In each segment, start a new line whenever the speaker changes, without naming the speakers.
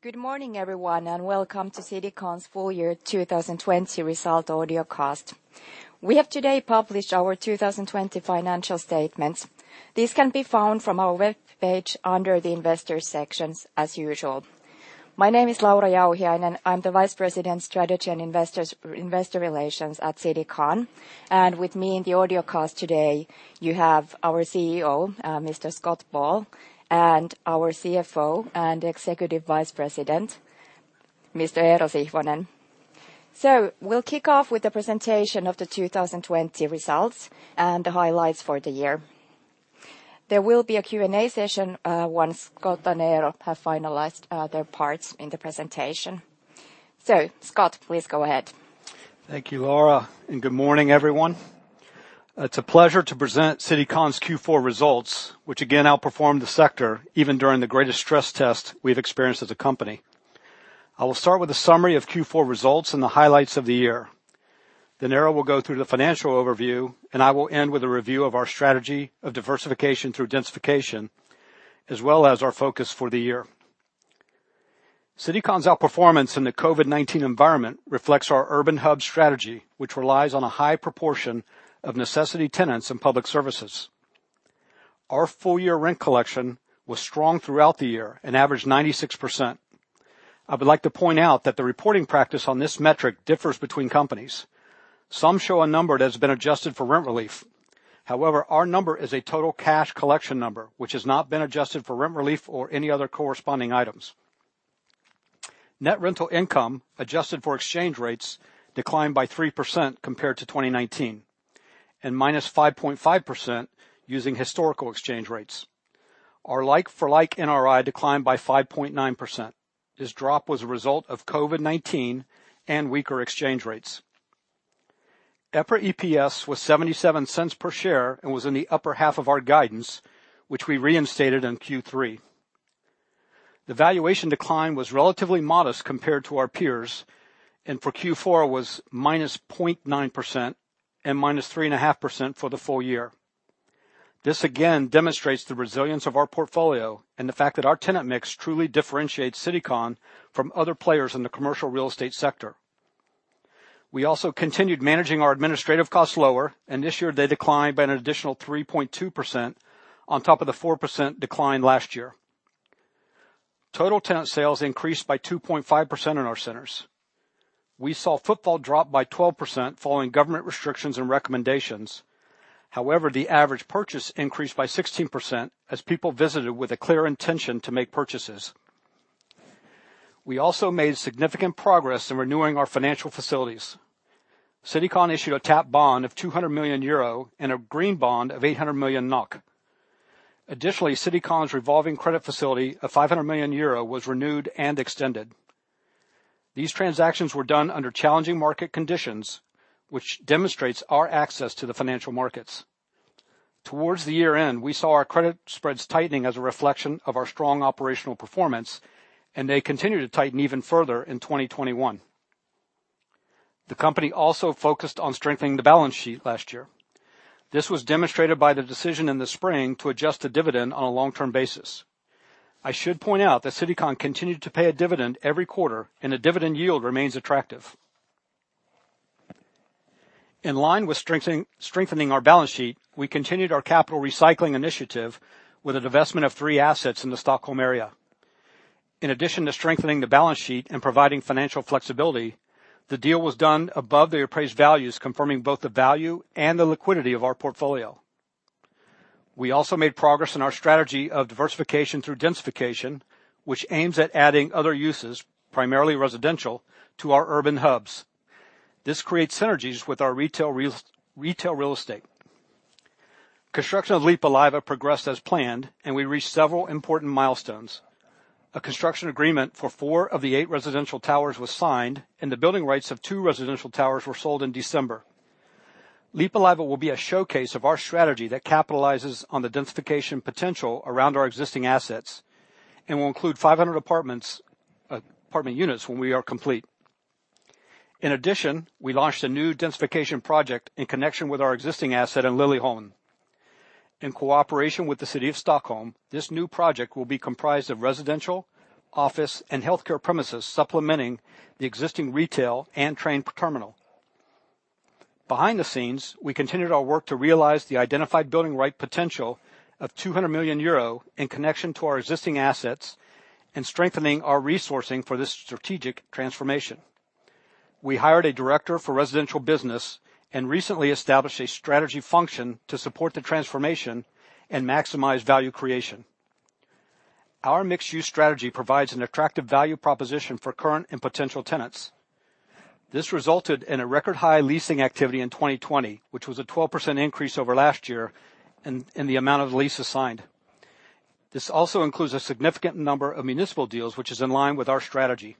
Good morning, everyone, and welcome to Citycon's full year 2020 result audio cast. We have today published our 2020 financial statements. These can be found from our webpage under the Investors sections as usual. My name is Laura Jauhiainen, I'm the Vice President of Strategy and Investor Relations at Citycon. With me in the audio cast today, you have our CEO, Mr. Scott Ball, and our CFO and Executive Vice President, Mr. Eero Sihvonen. We'll kick off with the presentation of the 2020 results and the highlights for the year. There will be a Q&A session once Scott and Eero have finalized their parts in the presentation. Scott, please go ahead.
Thank you, Laura, and good morning, everyone. It's a pleasure to present Citycon's Q4 results, which again outperformed the sector even during the greatest stress test we've experienced as a company. I will start with a summary of Q4 results and the highlights of the year. Eero will go through the financial overview, and I will end with a review of our strategy of diversification through densification, as well as our focus for the year. Citycon's outperformance in the COVID-19 environment reflects our urban hub strategy, which relies on a high proportion of necessity tenants and public services. Our full-year rent collection was strong throughout the year and averaged 96%. I would like to point out that the reporting practice on this metric differs between companies. Some show a number that's been adjusted for rent relief. Our number is a total cash collection number, which has not been adjusted for rent relief or any other corresponding items. Net rental income adjusted for exchange rates declined by 3% compared to 2019, and -5.5% using historical exchange rates. Our like-for-like NRI declined by 5.9%. This drop was a result of COVID-19 and weaker exchange rates. EPRA EPS was 0.77 per share and was in the upper half of our guidance, which we reinstated in Q3. The valuation decline was relatively modest compared to our peers, and for Q4 was -0.9% and -3.5% for the full year. This again demonstrates the resilience of our portfolio and the fact that our tenant mix truly differentiates Citycon from other players in the commercial real estate sector. We also continued managing our administrative costs lower, and this year they declined by an additional 3.2% on top of the 4% decline last year. Total tenant sales increased by 2.5% in our centers. We saw footfall drop by 12% following government restrictions and recommendations. However, the average purchase increased by 16% as people visited with a clear intention to make purchases. We also made significant progress in renewing our financial facilities. Citycon issued a tap bond of 200 million euro and a green bond of 800 million NOK. Additionally, Citycon's revolving credit facility of 500 million euro was renewed and extended. These transactions were done under challenging market conditions, which demonstrates our access to the financial markets. Towards the year-end, we saw our credit spreads tightening as a reflection of our strong operational performance, and they continued to tighten even further in 2021. The company also focused on strengthening the balance sheet last year. This was demonstrated by the decision in the spring to adjust the dividend on a long-term basis. I should point out that Citycon continued to pay a dividend every quarter, and the dividend yield remains attractive. In line with strengthening our balance sheet, we continued our capital recycling initiative with a divestment of three assets in the Stockholm area. In addition to strengthening the balance sheet and providing financial flexibility. The deal was done above the appraised values confirming both the value and the liquidity of our portfolio. We also made progress in our strategy of diversification through densification, which aims at adding other uses, primarily residential, to our urban hubs. This creates synergies with our retail real estate. Construction of Lippulaiva progressed as planned, and we reached several important milestones. A construction agreement for four of the eight residential towers was signed, and the building rights of two residential towers were sold in December. Lippulaiva will be a showcase of our strategy that capitalizes on the densification potential around our existing assets and will include 500 apartment units when we are complete. In addition, we launched a new densification project in connection with our existing asset in Liljeholmen. In cooperation with the City of Stockholm, this new project will be comprised of residential, office, and healthcare premises supplementing the existing retail and train terminal. Behind the scenes, we continued our work to realize the identified building right potential of 200 million euro in connection to our existing assets and strengthening our resourcing for this strategic transformation. We hired a Director for residential business and recently established a strategy function to support the transformation and maximize value creation. Our mixed-use strategy provides an attractive value proposition for current and potential tenants. This resulted in a record-high leasing activity in 2020, which was a 12% increase over last year in the amount of leases signed. This also includes a significant number of municipal deals, which is in line with our strategy.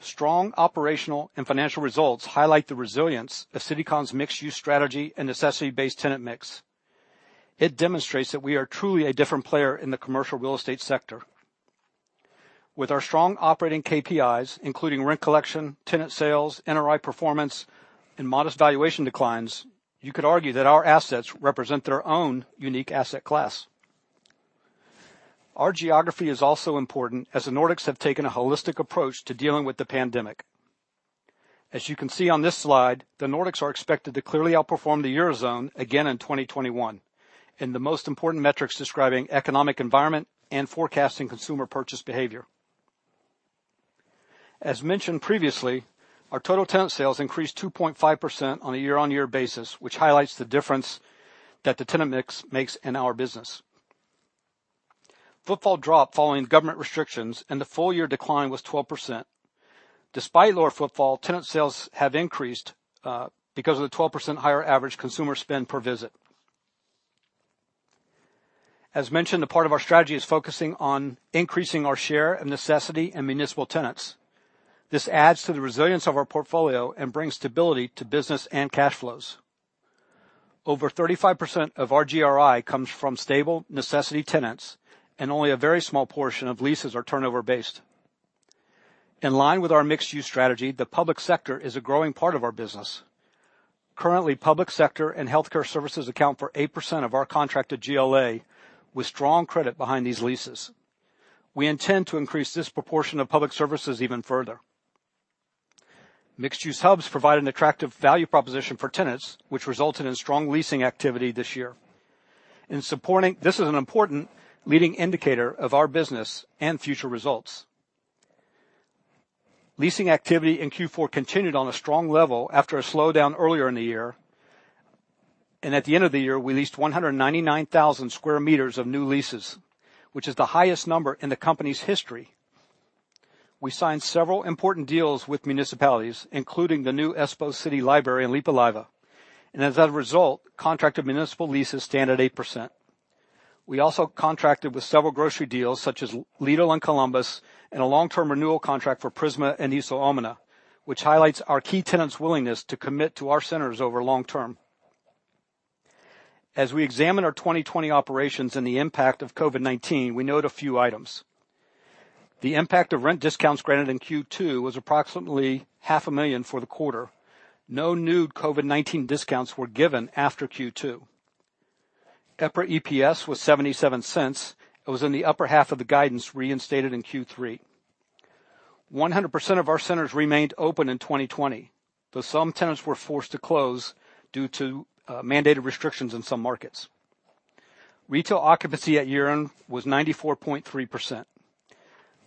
Strong operational and financial results highlight the resilience of Citycon's mixed-use strategy and necessity-based tenant mix. It demonstrates that we are truly a different player in the commercial real estate sector. With our strong operating KPIs, including rent collection, tenant sales, NRI performance, and modest valuation declines. You could argue that our assets represent their own unique asset class. Our geography is also important, as the Nordics have taken a holistic approach to dealing with the pandemic. As you can see on this slide, the Nordics are expected to clearly outperform the eurozone again in 2021, in the most important metrics describing economic environment and forecasting consumer purchase behavior. As mentioned previously, our total tenant sales increased 2.5% on a year-on-year basis, which highlights the difference that the tenant mix makes in our business. Footfall dropped following government restrictions, and the full year decline was 12%. Despite lower footfall, tenant sales have increased because of the 12% higher average consumer spend per visit. As mentioned, the part of our strategy is focusing on increasing our share of necessity and municipal tenants. This adds to the resilience of our portfolio and brings stability to business and cash flows. Over 35% of our GRI comes from stable necessity tenants, and only a very small portion of leases are turnover-based. In line with our mixed-use strategy, the public sector is a growing part of our business. Currently, public sector and healthcare services account for 8% of our contracted GLA, with strong credit behind these leases. We intend to increase this proportion of public services even further. Mixed-use hubs provide an attractive value proposition for tenants, which resulted in strong leasing activity this year. This is an important leading indicator of our business and future results. Leasing activity in Q4 continued on a strong level after a slowdown earlier in the year. At the end of the year, we leased 199,000 sq m of new leases, which is the highest number in the company's history. We signed several important deals with municipalities, including the new Espoo City Library in Lippulaiva. As a result, contracted municipal leases stand at 8%. We also contracted with several grocery deals such as Lidl in Columbus, and a long-term renewal contract for Prisma in Iso Omena, which highlights our key tenants' willingness to commit to our centers over long term. As we examine our 2020 operations and the impact of COVID-19, we note a few items. The impact of rent discounts granted in Q2 was approximately 500,000 for the quarter. No new COVID-19 discounts were given after Q2. EPRA EPS was 0.77. It was in the upper half of the guidance reinstated in Q3. 100% of our centers remained open in 2020, though some tenants were forced to close due to mandated restrictions in some markets. Retail occupancy at year-end was 94.3%.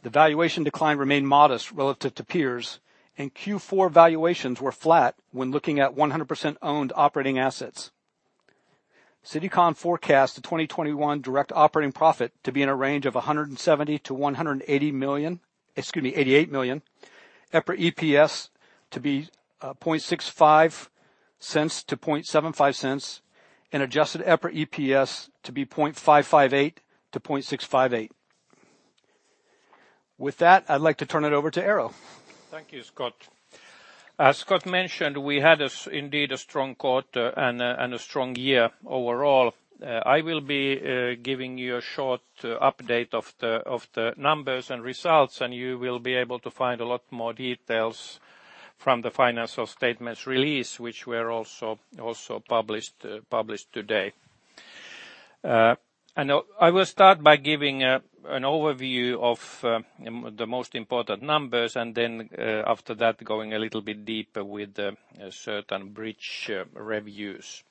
The valuation decline remained modest relative to peers, and Q4 valuations were flat when looking at 100% owned operating assets. Citycon forecasts the 2021 direct operating profit to be in a range of 170 million-188 million. EPRA EPS to be 0.65-0.75, and adjusted EPRA EPS to be 0.558-0.658. With that, I'd like to turn it over to Eero.
Thank you, Scott. As Scott mentioned, we had indeed a strong quarter and a strong year overall. I will be giving you a short update of the numbers and results. You will be able to find a lot more details from the financial statements release, which were also published today. I will start by giving an overview of the most important numbers, and then after that, going a little bit deeper with certain bridge reviews.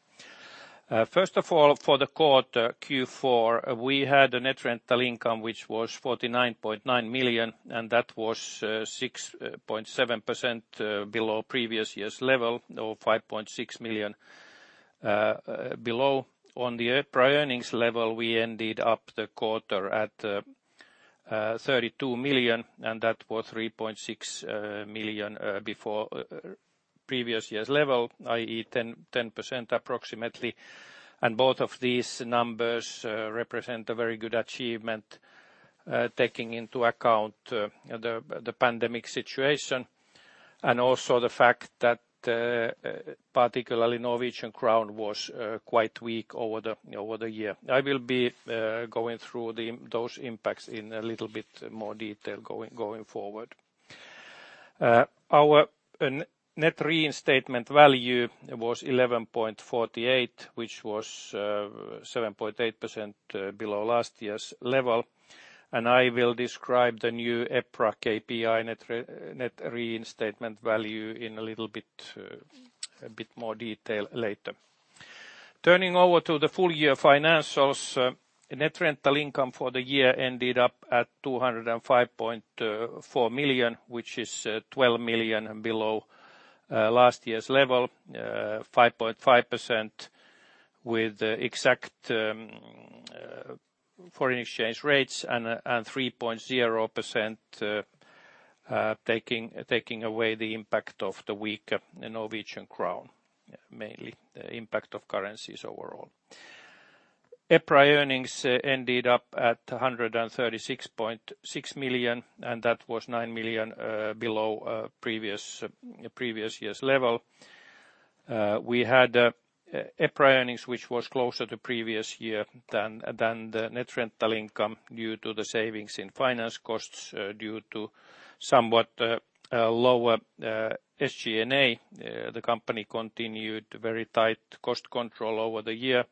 First of all, for the quarter Q4, we had a net rental income, which was 49.9 million. That was 6.7% below previous year's level or 5.6 million below. On the EPRA earnings level, we ended up the quarter at 32 million, and that was 3.6 million before previous year's level, i.e., 10% approximately. Both of these numbers represent a very good achievement, taking into account the pandemic situation and also the fact that particularly Norwegian crown was quite weak over the year. I will be going through those impacts in a little bit more detail going forward. Our Net Reinstatement Value was 11.48, which was 7.8% below last year's level. I will describe the new EPRA KPI Net Reinstatement Value in a bit more detail later. Turning over to the full year financials, net rental income for the year ended up at 205.4 million, which is 12 million below last year's level, 5.5% with exact foreign exchange rates and 3.0% taking away the impact of the weak Norwegian krone, mainly the impact of currencies overall. EPRA earnings ended up at 136.6 million, that was 9 million below previous year's level. We had EPRA earnings, which was closer to previous year than the net rental income due to the savings in finance costs due to somewhat lower SG&A. The company continued very tight cost control over the year.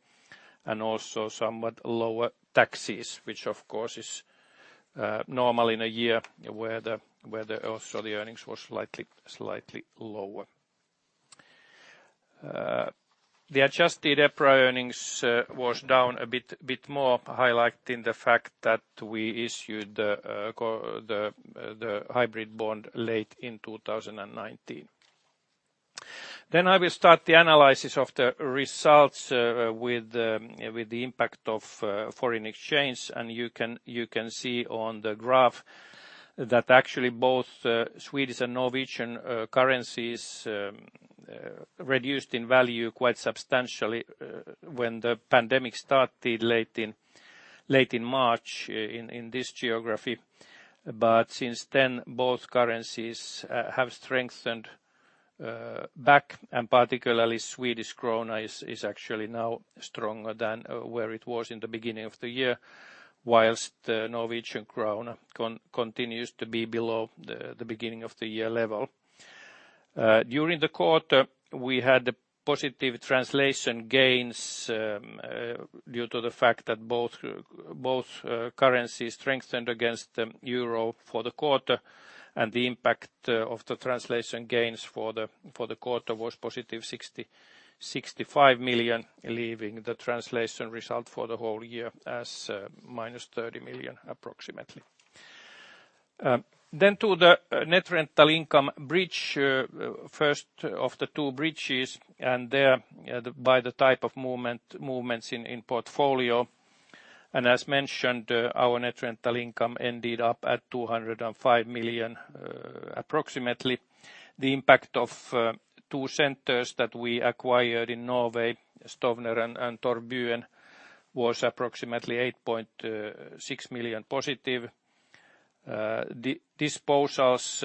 Also somewhat lower taxes, which of course is normal in a year where also the earnings were slightly lower. The adjusted EPRA earnings was down a bit more, highlighting the fact that we issued the hybrid bond late in 2019. I will start the analysis of the results with the impact of foreign exchange. You can see on the graph that actually both Swedish and Norwegian currencies reduced in value quite substantially when the pandemic started late in March in this geography. Since then, both currencies have strengthened back, and particularly Swedish krona is actually now stronger than where it was in the beginning of the year, whilst the Norwegian krone continues to be below the beginning of the year level. During the quarter, we had positive translation gains due to the fact that both currencies strengthened against the euro for the quarter, the impact of the translation gains for the quarter was +65 million, leaving the translation result for the whole year as -30 million approximately. To the net rental income bridge, first of the two bridges, and there by the type of movements in portfolio. As mentioned, our net rental income ended up at 205 million approximately. The impact of two centers that we acquired in Norway, Stovner and Torvbyen, was approximately EUR 8.6 million+. Disposals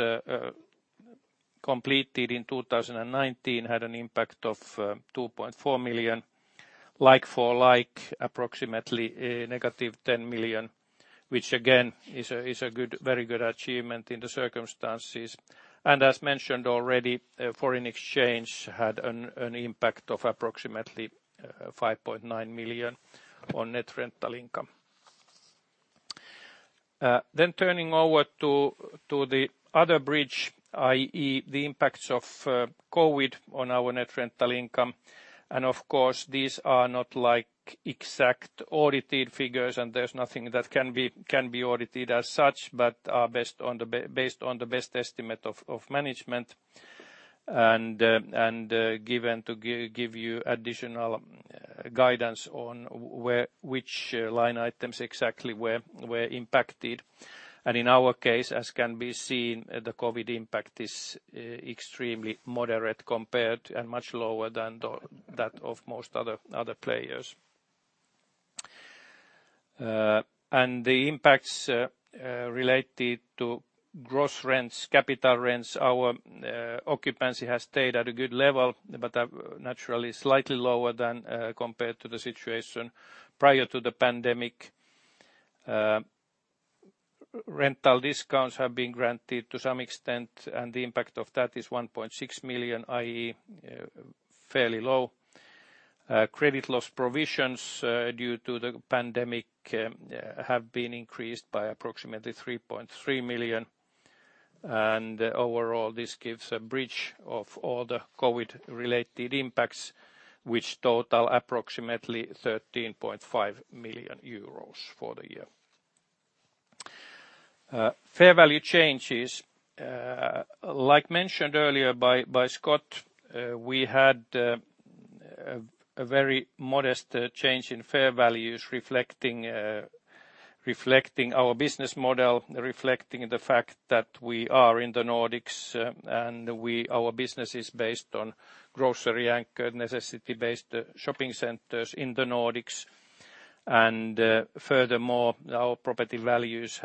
completed in 2019 had an impact of 2.4 million. Like-for-like approximately a -10 million, which again is a very good achievement in the circumstances. As mentioned already, foreign exchange had an impact of approximately 5.9 million on net rental income. Turning over to the other bridge, i.e. the impacts of COVID on our net rental income. Of course, these are not exact audited figures, there's nothing that can be audited as such, but are based on the best estimate of management, to give you additional guidance on which line items exactly were impacted. In our case, as can be seen, the COVID impact is extremely moderate compared and much lower than that of most other players. The impacts related to gross rents, capital rents, our occupancy has stayed at a good level, but naturally slightly lower than compared to the situation prior to the pandemic. Rental discounts have been granted to some extent, the impact of that is 1.6 million, i.e. fairly low. Credit loss provisions due to the pandemic have been increased by approximately 3.3 million. Overall, this gives a bridge of all the COVID-related impacts, which total approximately 13.5 million euros for the year. Fair value changes. Like mentioned earlier by Scott, we had a very modest change in fair values reflecting our business model, reflecting the fact that we are in the Nordics. And our business is based on grocery-anchored, necessity-based shopping centers in the Nordics. Furthermore, our property values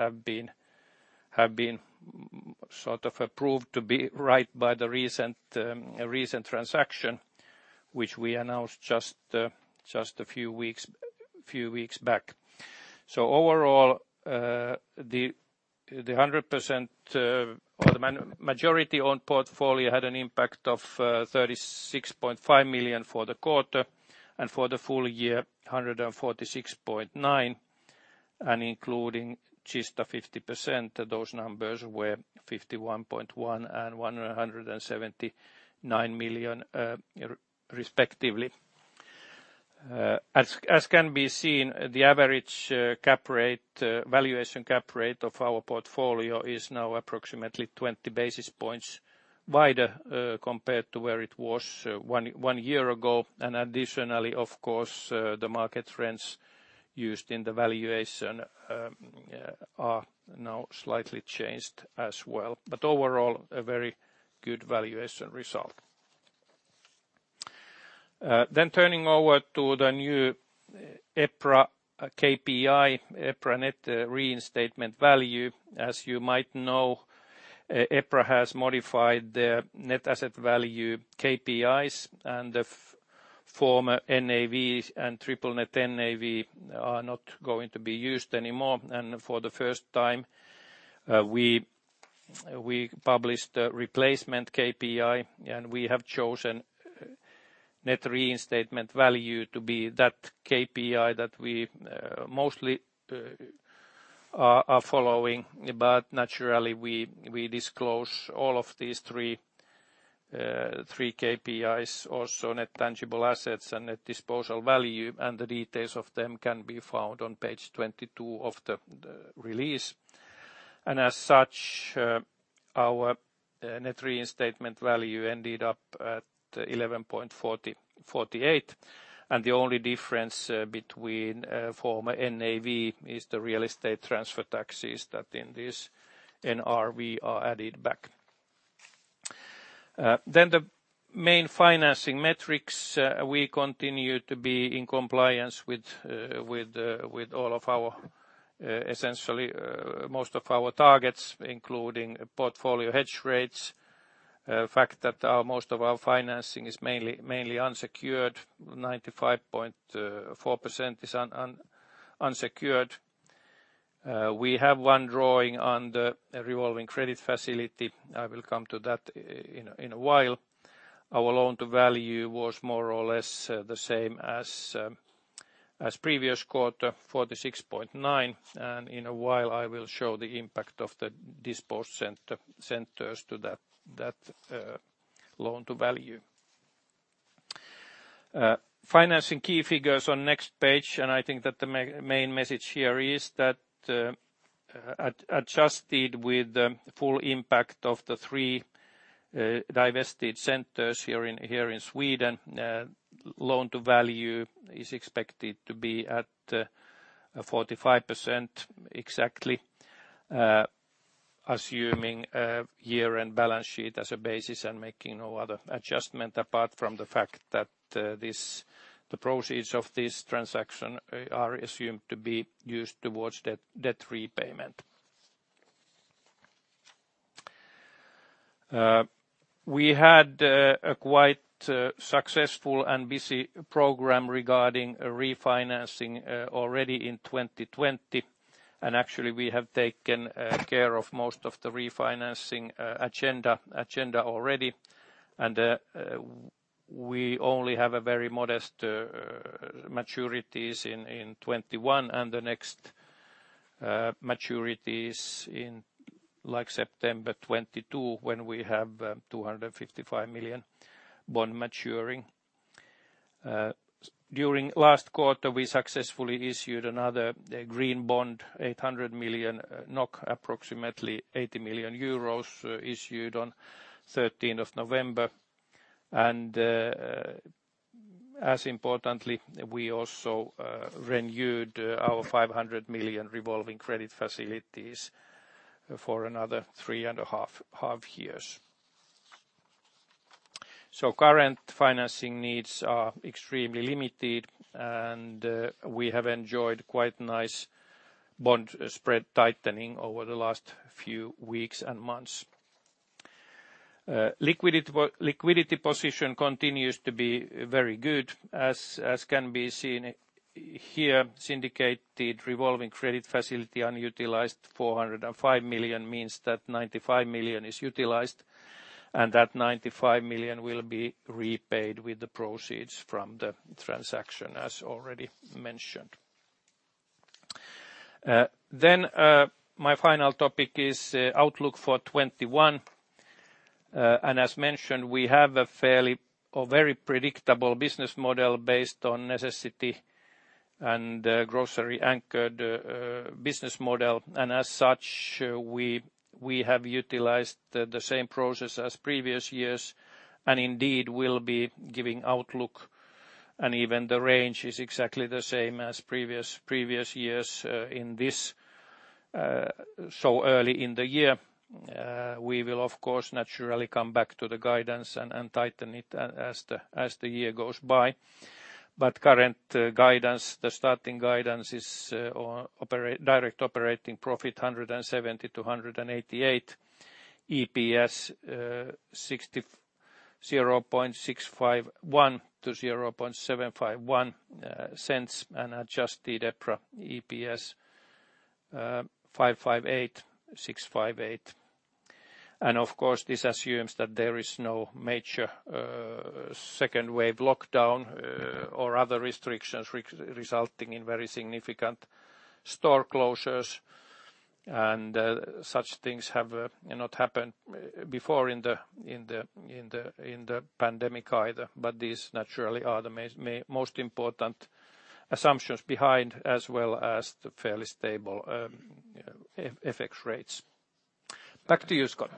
have been sort of approved to be right by the recent transaction, which we announced just a few weeks back. Overall, the 100% or the majority-owned portfolio had an impact of 36.5 million for the quarter, and for the full year, 146.9 million. Including Kista 50%, those numbers were 51.1 million and 179 million respectively. As can be seen, the average valuation cap rate of our portfolio is now approximately 20 basis points wider compared to where it was one year ago. Additionally, of course, the market rents used in the valuation are now slightly changed as well. Overall, a very good valuation result. Turning over to the new EPRA KPI, EPRA Net Reinstatement Value. As you might know, EPRA has modified their net asset value KPIs, and the former NAV and triple net NAV are not going to be used anymore. For the first time, we published EPRA KPI, and we have chosen Net Reinstatement Value to be that KPI that we mostly are following. Naturally, we disclose all of these three KPIs, also Net Tangible Assets and Net Disposal Value, and the details of them can be found on page 22 of the release. As such, our Net Reinstatement Value ended up at 11.48, and the only difference between former NAV is the real estate transfer taxes that in this NRV are added back. The main financing metrics, we continue to be in compliance with essentially most of our targets, including portfolio hedge rates. The fact that most of our financing is mainly unsecured, 95.4% is unsecured. We have one drawing on the revolving credit facility. I will come to that in a while. Our loan-to-value was more or less the same as previous quarter, 46.9%. In a while, I will show the impact of the disposed centers to that loan-to-value. Financing key figures on next page. I think that the main message here is that adjusted with the full impact of the three divested centers here in Sweden, loan-to-value is expected to be at 45% exactly, assuming a year-end balance sheet as a basis and making no other adjustment apart from the fact that the proceeds of this transaction are assumed to be used towards debt repayment. We had a quite successful and busy program regarding refinancing already in 2020. Actually, we have taken care of most of the refinancing agenda already. We only have a very modest maturities in 2021, and the next maturity is in September 2022 when we have a 255 million bond maturing. During last quarter, we successfully issued another green bond, 800 million NOK, approximately 80 million euros issued on 13th of November. As importantly, we also renewed our 500 million revolving credit facilities for another 3.5 years. Current financing needs are extremely limited, and we have enjoyed quite nice bond spread tightening over the last few weeks and months. Liquidity position continues to be very good, as can be seen here, syndicated revolving credit facility unutilized 405 million means that 95 million is utilized, and that 95 million will be repaid with the proceeds from the transaction, as already mentioned. My final topic is outlook for 2021. As mentioned, we have a very predictable business model based on necessity and grocery-anchored business model. As such, we have utilized the same process as previous years and indeed will be giving outlook, and even the range is exactly the same as previous years in this so early in the year. We will, of course, naturally come back to the guidance and tighten it as the year goes by. Current guidance, the starting guidance is direct operating profit 170 million-188 million, EPS 0.651-0.751, and adjusted EPRA EPS 0.558-0.658. Of course, this assumes that there is no major second wave lockdown or other restrictions resulting in very significant store closures, and such things have not happened before in the pandemic either. These naturally are the most important assumptions behind as well as the fairly stable FX rates. Back to you, Scott.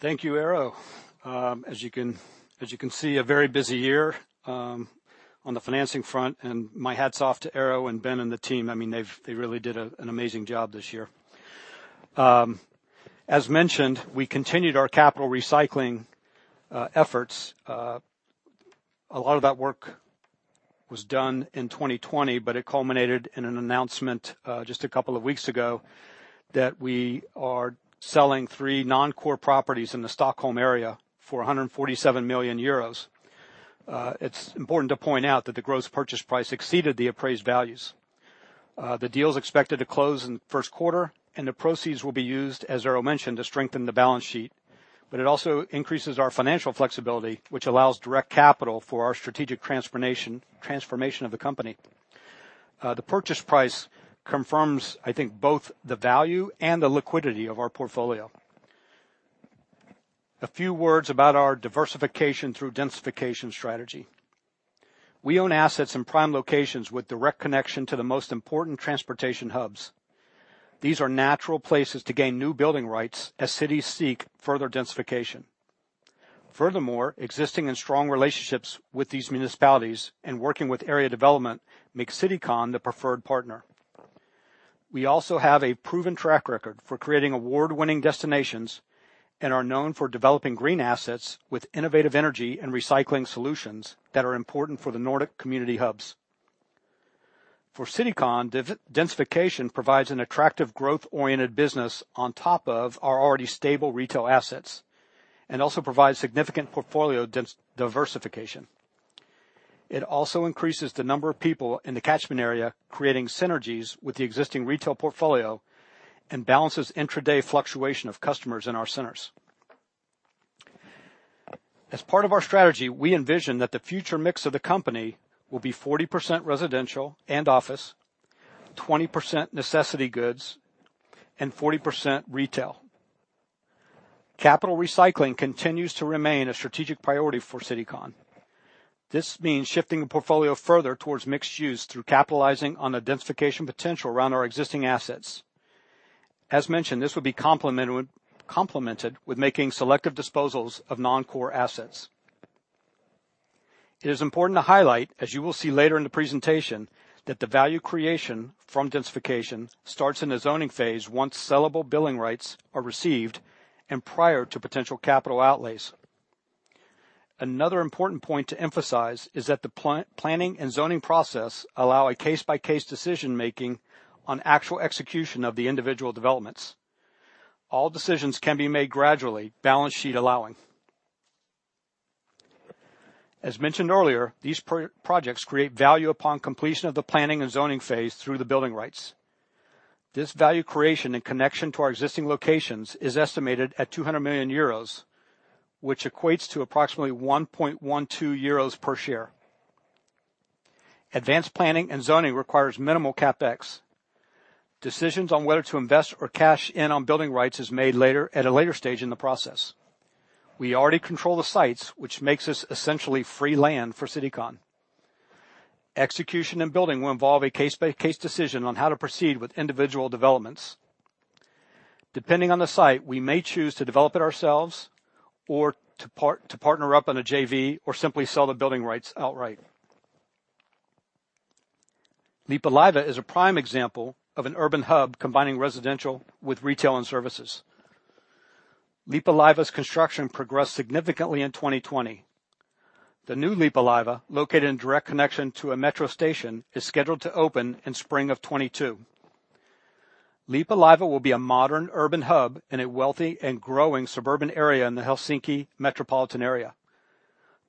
Thank you, Eero. As you can see, a very busy year on the financing front. My hats off to Eero and Ben and the team. They really did an amazing job this year. As mentioned, we continued our capital recycling efforts. A lot of that work was done in 2020. It culminated in an announcement just a couple of weeks ago that we are selling three non-core properties in the Stockholm area for 447 million euros. It's important to point out that the gross purchase price exceeded the appraised values. The deal is expected to close in the first quarter. The proceeds will be used, as Eero mentioned, to strengthen the balance sheet. It also increases our financial flexibility, which allows direct capital for our strategic transformation of the company. The purchase price confirms, I think, both the value and the liquidity of our portfolio. A few words about our diversification through densification strategy. We own assets in prime locations with direct connection to the most important transportation hubs. These are natural places to gain new building rights as cities seek further densification. Furthermore, existing and strong relationships with these municipalities and working with area development make Citycon the preferred partner. We also have a proven track record for creating award-winning destinations and are known for developing green assets with innovative energy and recycling solutions that are important for the Nordic community hubs. For Citycon, densification provides an attractive growth-oriented business on top of our already stable retail assets, and also provides significant portfolio diversification. It also increases the number of people in the catchment area, creating synergies with the existing retail portfolio, and balances intraday fluctuation of customers in our centers. As part of our strategy, we envision that the future mix of the company will be 40% residential and office, 20% necessity goods, and 40% retail. Capital recycling continues to remain a strategic priority for Citycon. This means shifting the portfolio further towards mixed use through capitalizing on the densification potential around our existing assets. As mentioned, this would be complemented with making selective disposals of non-core assets. It is important to highlight, as you will see later in the presentation, that the value creation from densification starts in the zoning phase once sellable billing rights are received and prior to potential capital outlays. Another important point to emphasize is that the planning and zoning process allow a case-by-case decision-making on actual execution of the individual developments. All decisions can be made gradually, balance sheet allowing. As mentioned earlier, these projects create value upon completion of the planning and zoning phase through the building rights. This value creation in connection to our existing locations is estimated at 200 million euros, which equates to approximately 1.12 euros per share. Advanced planning and zoning requires minimal CapEx. Decisions on whether to invest or cash in on building rights is made at a later stage in the process. We already control the sites, which makes this essentially free land for Citycon. Execution and building will involve a case-by-case decision on how to proceed with individual developments. Depending on the site, we may choose to develop it ourselves or to partner up on a JV, or simply sell the building rights outright. Lippulaiva is a prime example of an urban hub combining residential with retail and services. Lippulaiva's construction progressed significantly in 2020. The new Lippulaiva, located in direct connection to a metro station, is scheduled to open in spring of 2022. Lippulaiva will be a modern urban hub in a wealthy and growing suburban area in the Helsinki metropolitan area.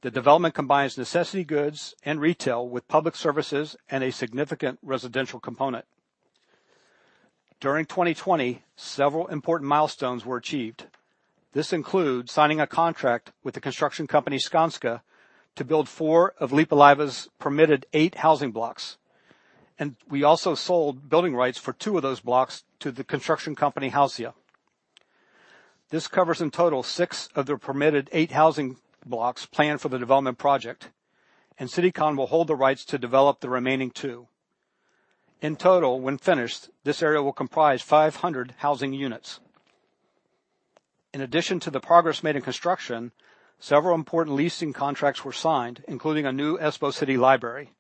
The development combines necessity goods and retail with public services and a significant residential component. During 2020, several important milestones were achieved. This includes signing a contract with the construction company, Skanska, to build four of Lippulaiva's permitted eight housing blocks. We also sold building rights for two of those blocks to the construction company, Hausia. This covers in total, six of their permitted eight housing blocks planned for the development project, and Citycon will hold the rights to develop the remaining two. In total, when finished, this area will comprise 500 housing units. In addition to the progress made in construction, several important leasing contracts were signed, including a new Espoo City Library.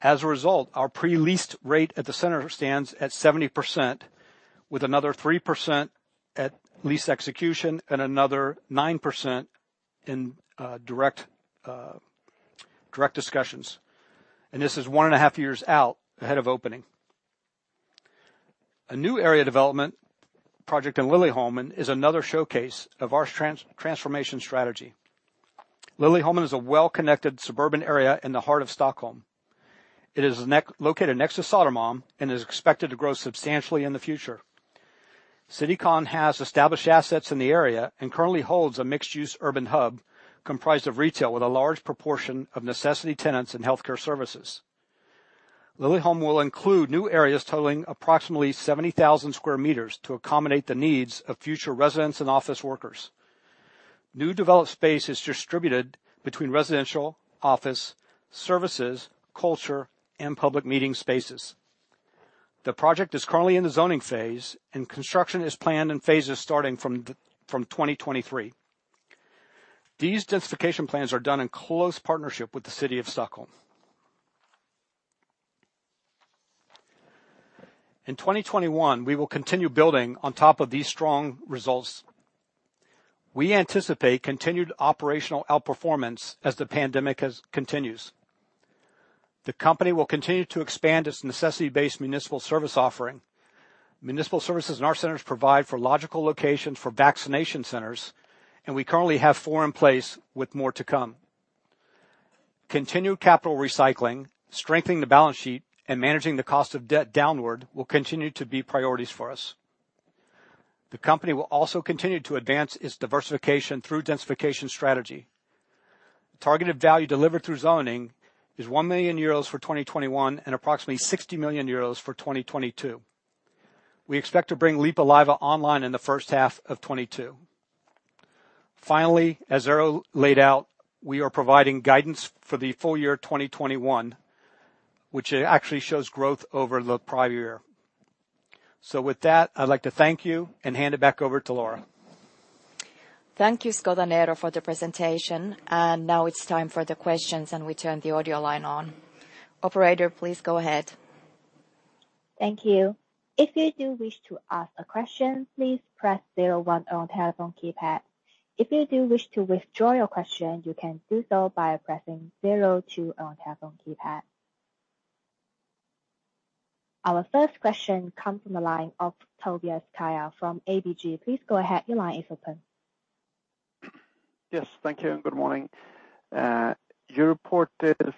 As a result, our pre-leased rate at the center stands at 70%, with another 3% at lease execution and another 9% in direct discussions. This is 1.5 years out ahead of opening. A new area development project in Liljeholmen is another showcase of our transformation strategy. Liljeholmen is a well-connected suburban area in the heart of Stockholm. It is located next to Södermalm and is expected to grow substantially in the future. Citycon has established assets in the area and currently holds a mixed-use urban hub comprised of retail with a large proportion of necessity tenants and healthcare services. Liljeholmen will include new areas totaling approximately 70,000 sq m to accommodate the needs of future residents and office workers. New developed space is distributed between residential, office, services, culture, and public meeting spaces. The project is currently in the zoning phase, and construction is planned in phases starting from 2023. These densification plans are done in close partnership with the City of Stockholm. In 2021, we will continue building on top of these strong results. We anticipate continued operational outperformance as the pandemic continues. The company will continue to expand its necessity-based municipal service offering. Municipal services in our centers provide for logical locations for vaccination centers, and we currently have four in place with more to come. Continued capital recycling, strengthening the balance sheet, and managing the cost of debt downward will continue to be priorities for us. The company will also continue to advance its diversification through densification strategy. Targeted value delivered through zoning is 1 million euros for 2021 and approximately 60 million euros for 2022. We expect to bring Lippulaiva online in the first half of 2022. Finally, as Eero laid out, we are providing guidance for the full year 2021, which actually shows growth over the prior year. With that, I'd like to thank you and hand it back over to Laura.
Thank you, Scott and Eero, for the presentation. Now it's time for the questions, and we turn the audio line on. Operator, please go ahead.
Thank you. If you do wish to ask a question, please press zero one on telephone keypad. If you do wish to withdraw your question, you can do so by pressing zero two on telephone keypad. Our first question comes from the line of Tobias Kaj from ABG. Please go ahead. Your line is open.
Yes, thank you. Good morning. Your report is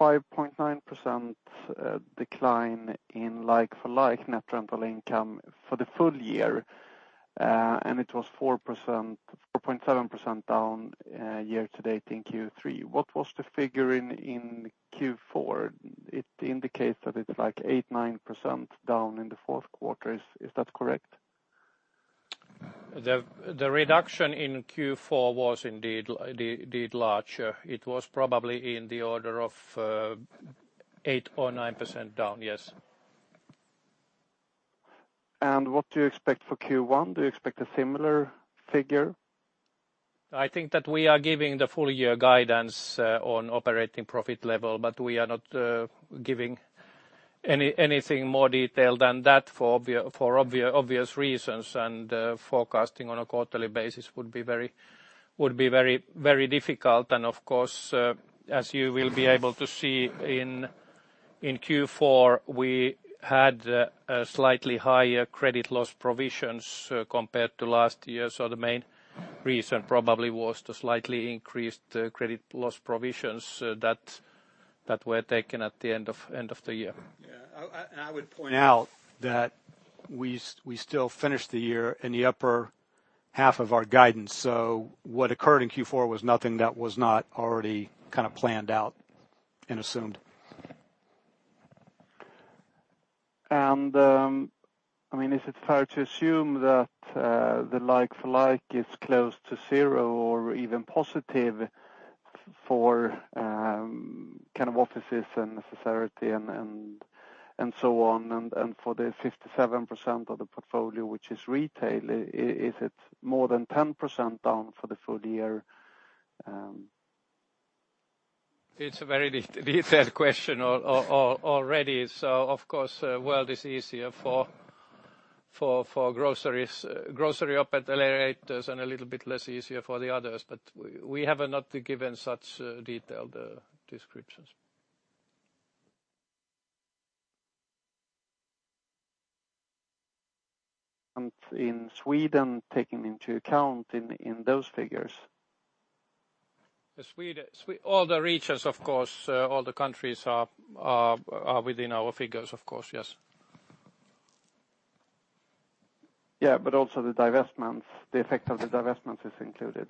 5.9% decline in like-for-like net rental income for the full year. It was 4.7% down year-to-date in Q3. What was the figure in Q4? It indicates that it's like 8%, 9% down in the fourth quarter. Is that correct?
The reduction in Q4 was indeed larger. It was probably in the order of 8% or 9% down. Yes.
What do you expect for Q1? Do you expect a similar figure?
I think that we are giving the full year guidance on operating profit level, but we are not giving anything more detailed than that for obvious reasons. Forecasting on a quarterly basis would be very difficult. Of course, as you will be able to see in Q4, we had a slightly higher credit loss provisions compared to last year. The main reason probably was to slightly increase the credit loss provisions that were taken at the end of the year.
Yeah. I would point out that we still finished the year in the upper half of our guidance. What occurred in Q4 was nothing that was not already kind of planned out and assumed.
Is it fair to assume that the like-for-like is close to zero or even positive for kind of offices and necessity and so on? For the 57% of the portfolio, which is retail, is it more than 10% down for the full year?
It's a very detailed question already. Of course, world is easier for groceries, grocery operators, and a little bit less easier for the others. We have not given such detailed descriptions.
In Sweden, taking into account in those figures?
All the regions, of course, all the countries are within our figures, of course, yes.
Yeah, also the divestments, the effect of the divestments is included?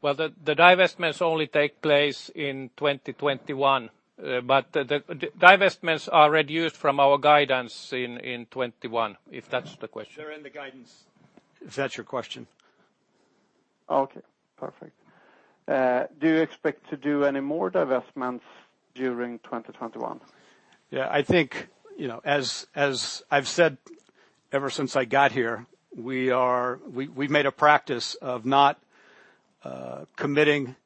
Well, the divestments only take place in 2021. The divestments are reduced from our guidance in 2021, if that's the question.
They're in the guidance, if that's your question.
Okay, perfect. Do you expect to do any more divestments during 2021?
Yeah, I think as I've said ever since I got here, we've made a practice of not committing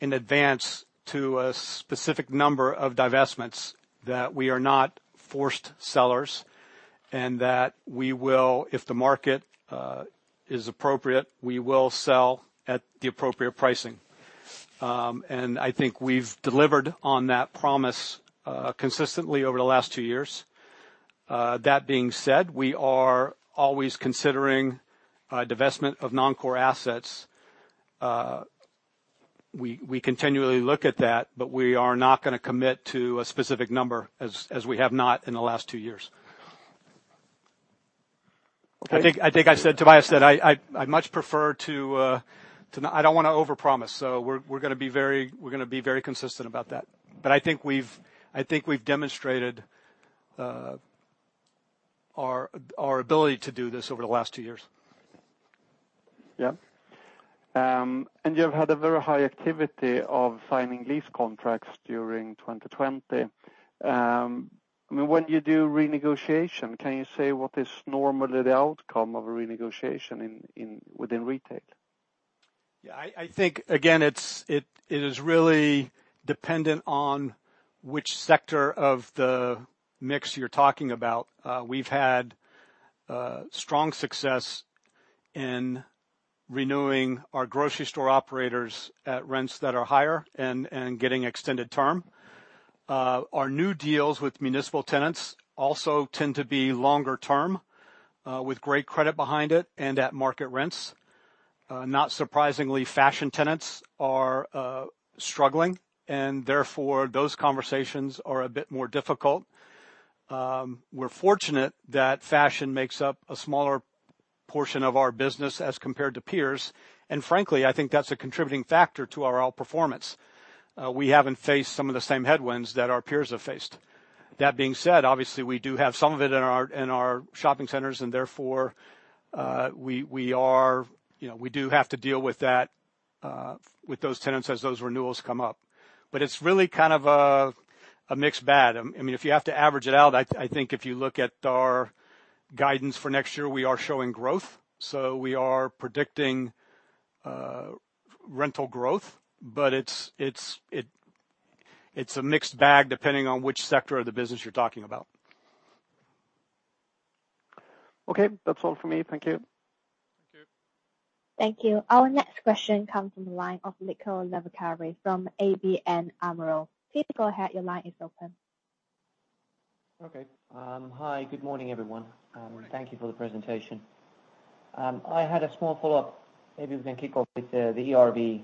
in advance to a specific number of divestments. That we are not forced sellers, and that if the market is appropriate, we will sell at the appropriate pricing. I think we've delivered on that promise consistently over the last two years. That being said, we are always considering divestment of non-core assets. We continually look at that, but we are not going to commit to a specific number as we have not in the last two years.
Okay.
I think as Tobias said, I don't want to overpromise. We're going to be very consistent about that. I think we've demonstrated our ability to do this over the last two years.
Yeah. You have had a very high activity of signing lease contracts during 2020. When you do renegotiation, can you say what is normally the outcome of a renegotiation within retail?
Yeah, I think, again, it is really dependent on which sector of the mix you're talking about. We've had strong success in renewing our grocery store operators at rents that are higher and getting extended term. Our new deals with municipal tenants also tend to be longer term, with great credit behind it, and at market rents. Not surprisingly, fashion tenants are struggling, therefore those conversations are a bit more difficult. We're fortunate that fashion makes up a smaller portion of our business as compared to peers, frankly, I think that's a contributing factor to our outperformance. We haven't faced some of the same headwinds that our peers have faced. That being said, obviously, we do have some of it in our shopping centers, therefore, we do have to deal with those tenants as those renewals come up. It's really kind of a mixed bag. If you have to average it out, I think if you look at our guidance for next year, we are showing growth. We are predicting rental growth, but it's a mixed bag depending on which sector of the business you're talking about.
Okay. That's all from me. Thank you.
Thank you.
Thank you. Our next question comes from the line of Niko Levikari from ABN AMRO. Please go ahead.
Okay. Hi, good morning, everyone. Thank you for the presentation. I had a small follow-up. Maybe we can kick off with the ERV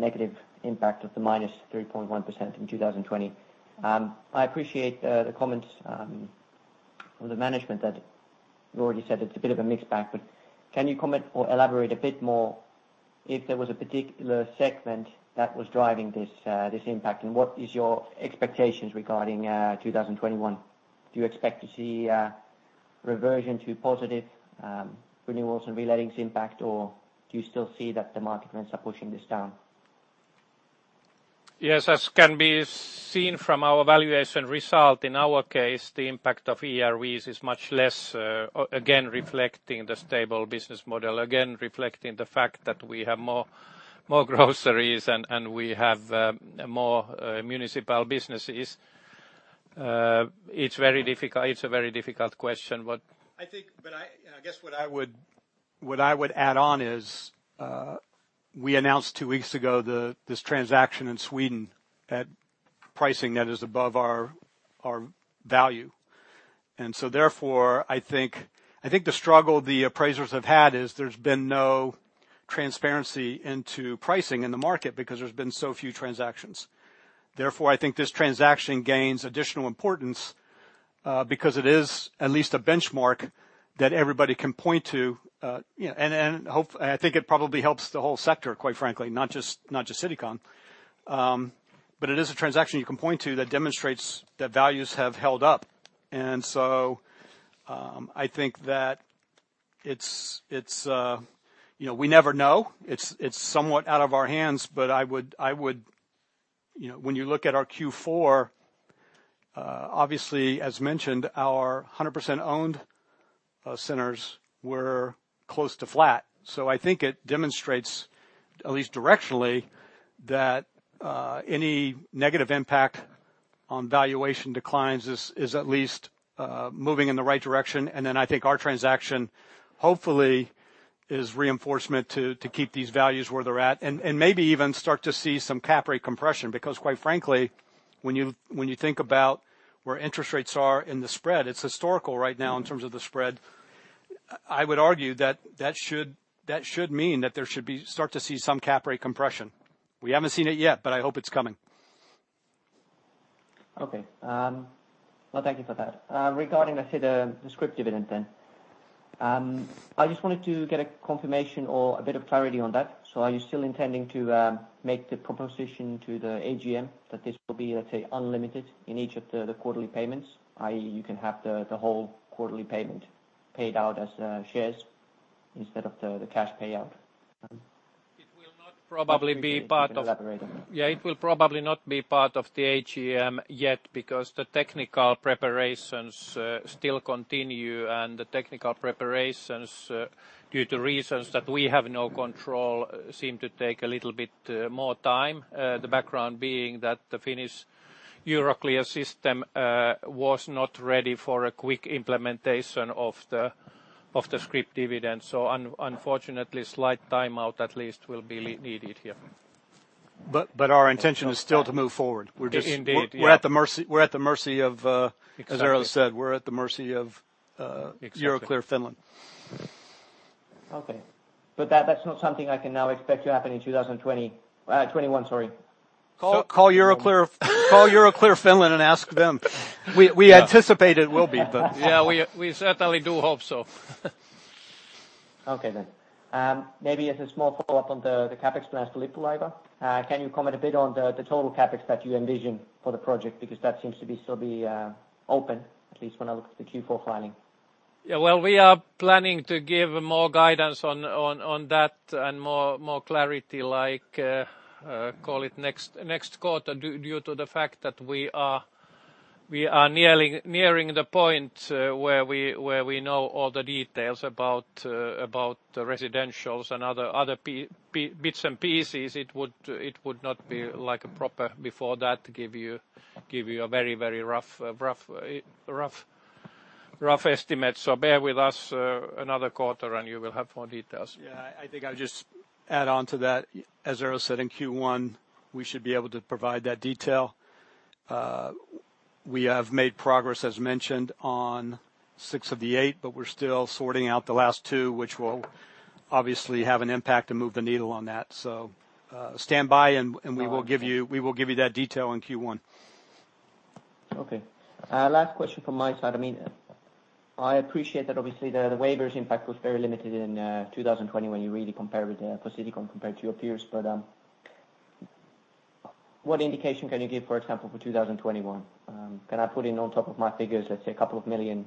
negative impact of the -3.1% in 2020. I appreciate the comments from the management that you already said it's a bit of a mixed bag. But can you comment or elaborate a bit more if there was a particular segment that was driving this impact? And what is your expectations regarding 2021? Do you expect to see a reversion to positive renewals and relettings impact? Or do you still see that the market rents are pushing this down?
Yes, as can be seen from our valuation result, in our case, the impact of ERVs is much less, again, reflecting the stable business model, again, reflecting the fact that we have more groceries and we have more municipal businesses. It's a very difficult question.
I guess what I would add on is, we announced two weeks ago this transaction in Sweden at pricing that is above our value. Therefore, I think the struggle the appraisers have had is there's been no transparency into pricing in the market because there's been so few transactions. Therefore, I think this transaction gains additional importance, because it is at least a benchmark that everybody can point to. I think it probably helps the whole sector, quite frankly, not just Citycon. It is a transaction you can point to that demonstrates that values have held up. I think that we never know. It's somewhat out of our hands. When you look at our Q4, obviously, as mentioned, our 100% owned centers were close to flat. I think it demonstrates, at least directionally, that any negative impact on valuation declines is at least moving in the right direction. I think our transaction, hopefully, is reinforcement to keep these values where they're at, and maybe even start to see some cap rate compression. Quite frankly, when you think about where interest rates are in the spread, it's historical right now in terms of the spread. I would argue that that should mean that there should start to see some cap rate compression. We haven't seen it yet, I hope it's coming.
Okay. Well, thank you for that. Regarding the scrip dividend then. I just wanted to get a confirmation or a bit of clarity on that. Are you still intending to make the proposition to the AGM that this will be, let's say, unlimited in each of the quarterly payments? I.e., you can have the whole quarterly payment paid out as shares instead of the cash payout?
It will not probably be part of.
Can you elaborate on that?
Yeah, it will probably not be part of the AGM yet because the technical preparations still continue, and the technical preparations, due to reasons that we have no control, seem to take a little bit more time. The background being that the Finnish Euroclear system was not ready for a quick implementation of the scrip dividend. Unfortunately, slight time out at least will be needed here.
Our intention is still to move forward.
Indeed, yeah.
As Eero said, we're at the mercy of.
Exactly.
Euroclear Finland.
Okay. That's not something I can now expect to happen in 2021? Sorry.
Call Euroclear Finland and ask them. We anticipate it will be.
Yeah, we certainly do hope so.
Okay. Maybe as a small follow-up on the CapEx plans for Lippulaiva. Can you comment a bit on the total CapEx that you envision for the project? That seems to be still be open, at least when I look at the Q4 filing?
We are planning to give more guidance on that and more clarity, call it next quarter, due to the fact that we are nearing the point where we know all the details about the residentials and other bits and pieces. It would not be proper before that to give you a very, very rough estimate. Bear with us another quarter, and you will have more details.
Yeah. I think I'll just add on to that. As Eero said, in Q1, we should be able to provide that detail. We have made progress, as mentioned, on six of the eight, but we're still sorting out the last two, which will obviously have an impact to move the needle on that. Stand by, and we will give you that detail in Q1.
Okay. Last question from my side. I appreciate that obviously the waivers impact was very limited in 2020 when you really compare with Citycon compared to your peers. What indication can you give, for example, for 2021? Can I put in on top of my figures, let's say a couple of million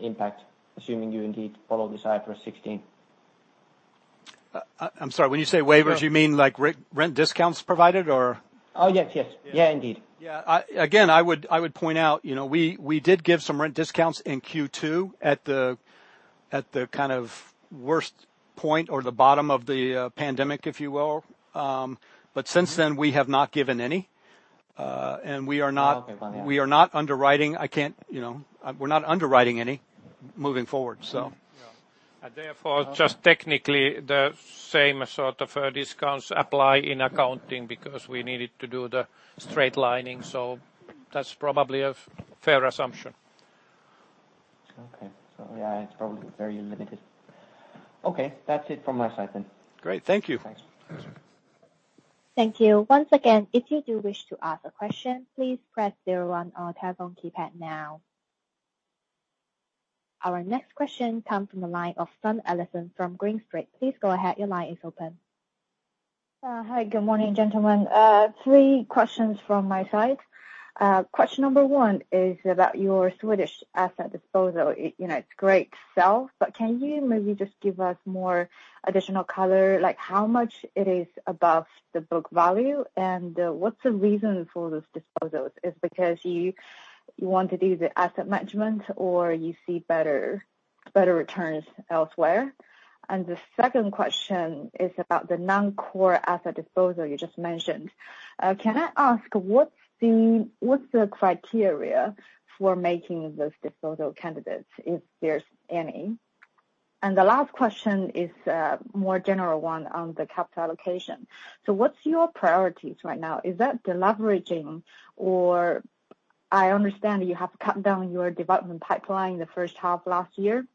impact, assuming you indeed follow this IFRS 16?
I'm sorry. When you say waivers, you mean like rent discounts provided or?
Oh, yes. Indeed.
Again, I would point out, we did give some rent discounts in Q2 at the kind of worst point or the bottom of the pandemic, if you will. Since then, we have not given any, and we are not.
Okay. Fine.
We are not underwriting any moving forward, so.
Yeah. Therefore, just technically the same sort of discounts apply in accounting because we needed to do the straight lining. That's probably a fair assumption.
Okay. Yeah, it's probably very limited. Okay, that's it from my side then.
Great. Thank you.
Thanks.
Thank you. Once again, if you do wish to ask a question, please press zero on your telephone keypad now. Our next question comes from the line of Sun, Allison from Green Street. Please go ahead. Your line is open.
Hi. Good morning, gentlemen. Three questions from my side. Question number one is about your Swedish asset disposal. It's a great sell, but can you maybe just give us more additional color, like how much it is above the book value, and what's the reason for this disposal? Is it because you want to do the asset management or you see better returns elsewhere? The second question is about the non-core asset disposal you just mentioned. Can I ask, what's the criteria for making those disposal candidates, if there's any? The last question is a more general one on the capital allocation. What's your priorities right now? Is that deleveraging or I understand you have cut down your development pipeline in the first half last year,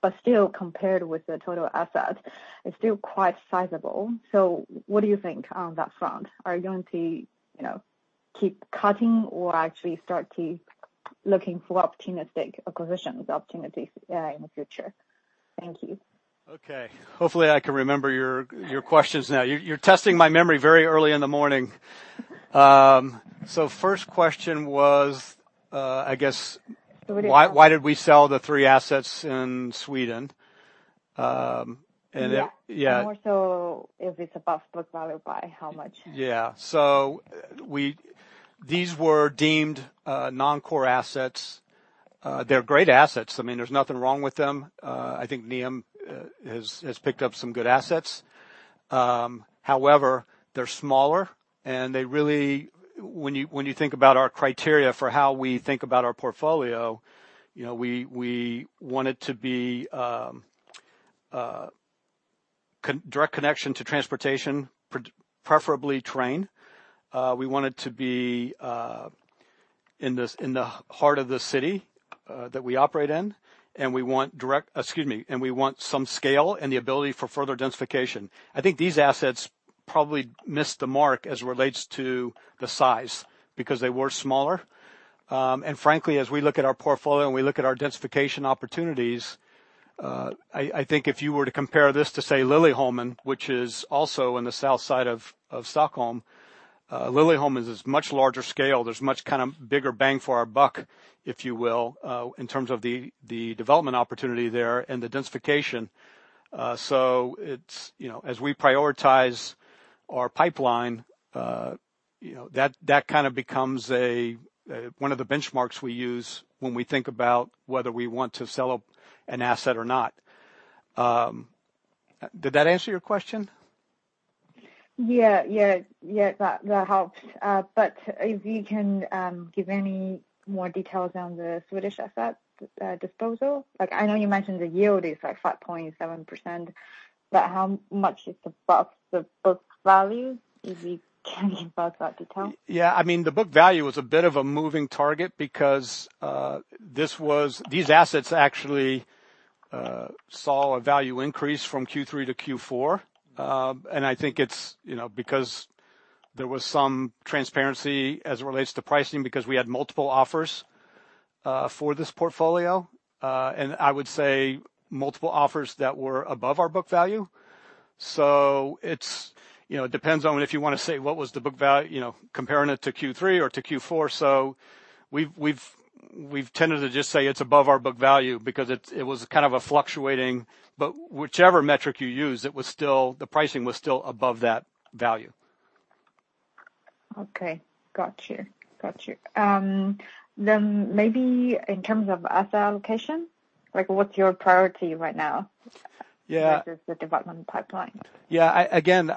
but still, compared with the total asset, it's still quite sizable. What do you think on that front? Are you going to keep cutting or actually start to looking for opportunistic acquisitions, opportunities in the future? Thank you.
Okay. Hopefully, I can remember your questions now. You're testing my memory very early in the morning. First question was.
Sorry.
Why did we sell the three assets in Sweden?
Yeah.
Yeah.
More so if it's above book value, by how much?
Yeah. These were deemed non-core assets. They're great assets. There's nothing wrong with them. I think Niam has picked up some good assets. However, they're smaller, and when you think about our criteria for how we think about our portfolio, we want it to be a direct connection to transportation, preferably train. We want it to be in the heart of the city that we operate in. Excuse me, and we want some scale and the ability for further densification. I think these assets probably missed the mark as it relates to the size because they were smaller. Frankly, as we look at our portfolio and we look at our densification opportunities, I think if you were to compare this to, say, Liljeholmen, which is also in the South side of Stockholm. Liljeholmen is much larger scale. There's much kind of bigger bang for our buck, if you will, in terms of the development opportunity there and the densification. As we prioritize our pipeline, that kind of becomes one of the benchmarks we use when we think about whether we want to sell an asset or not. Did that answer your question?
Yeah. That helps. If you can give any more details on the Swedish asset disposal. I know you mentioned the yield is like 5.7%, but how much is above the book value? If you can give us that detail.
The book value was a bit of a moving target because these assets actually saw a value increase from Q3-Q4. I think it's because there was some transparency as it relates to pricing because we had multiple offers for this portfolio. I would say multiple offers that were above our book value. It depends on if you want to say what was the book value, comparing it to Q3 or to Q4. We've tended to just say it's above our book value because it was kind of fluctuating. Whichever metric you use, the pricing was still above that value.
Okay. Got you. Maybe in terms of asset allocation, what's your priority right now?
Yeah.
Versus the development pipeline?
Again,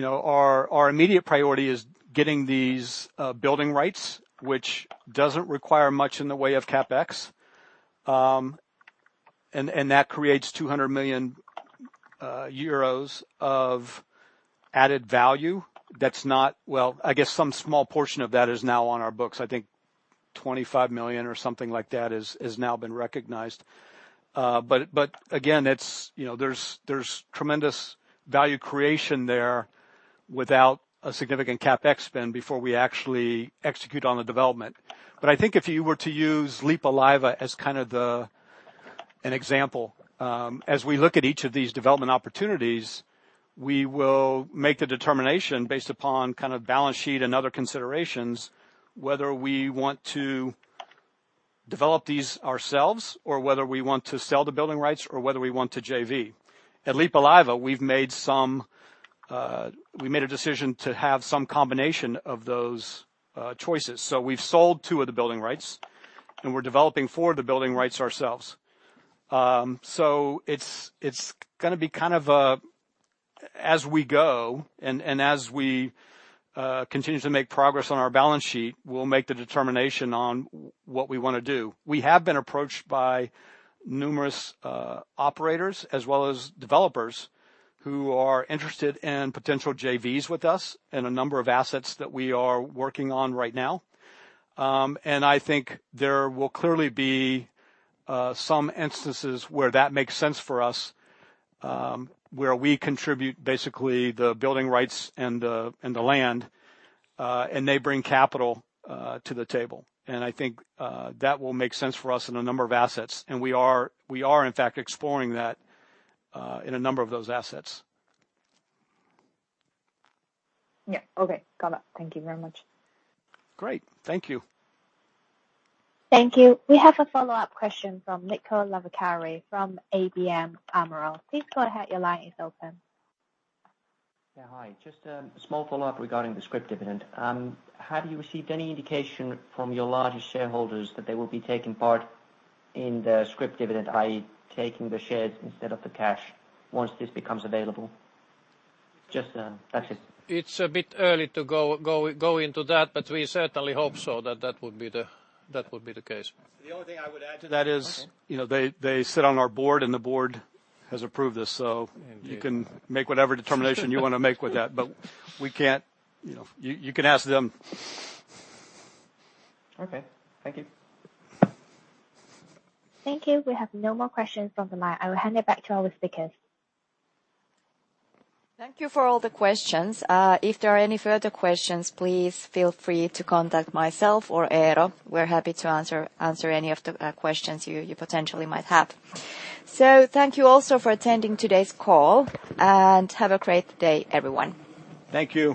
our immediate priority is getting these building rights, which doesn't require much in the way of CapEx. That creates 200 million euros of added value. Well, I guess some small portion of that is now on our books. 25 million or something like that has now been recognized. Again, there's tremendous value creation there without a significant CapEx spend before we actually execute on the development. I think if you were to use Lippulaiva as an example, as we look at each of these development opportunities, we will make the determination based upon balance sheet and other considerations, whether we want to develop these ourselves or whether we want to sell the building rights or whether we want to JV. At Lippulaiva, we've made a decision to have some combination of those choices. We've sold two of the building rights, and we're developing four of the building rights ourselves. It's going to be kind of as we go and as we continue to make progress on our balance sheet, we'll make the determination on what we want to do. We have been approached by numerous operators as well as developers who are interested in potential JVs with us in a number of assets that we are working on right now. I think there will clearly be some instances where that makes sense for us, where we contribute basically the building rights and the land, and they bring capital to the table. I think that will make sense for us in a number of assets. We are in fact exploring that in a number of those assets.
Yeah. Okay, got it. Thank you very much.
Great. Thank you.
Thank you. We have a follow-up question from Niko Levikari from ABN AMRO. Please go ahead, your line is open.
Yeah. Hi, just a small follow-up regarding the scrip dividend. Have you received any indication from your largest shareholders that they will be taking part in the scrip dividend, i.e., taking the shares instead of the cash once this becomes available? Just that is it.
It's a bit early to go into that, but we certainly hope so that that would be the case.
The only thing I would add to that is.
Okay.
They sit on our Board, and the Board has approved this. You can make whatever determination you want to make with that, but you can ask them.
Okay. Thank you.
Thank you. We have no more questions from the line. I will hand it back to our speakers.
Thank you for all the questions. If there are any further questions, please feel free to contact myself or Eero. We're happy to answer any of the questions you potentially might have. Thank you also for attending today's call, and have a great day, everyone.
Thank you.